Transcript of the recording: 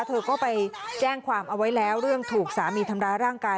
เธอก็ไปแจ้งความเอาไว้แล้วเรื่องถูกสามีทำร้ายร่างกาย